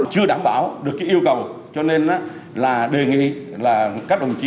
chưa đảm bảo được cái yêu cầu cho nên là đề nghị là các đồng chí